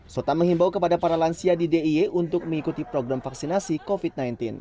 sota menghimbau kepada para lansia di d i y untuk mengikuti program vaksinasi covid sembilan belas